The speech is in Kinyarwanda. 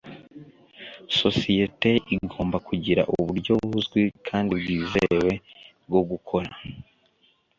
sosiyete igomba kugira uburyo buzwi kandi bwizewe bwo gukora